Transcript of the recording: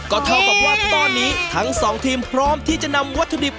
ก็เท่ากับว่าตอนนี้ทั้งสองทีมพร้อมที่จะนำวัตถุดิบ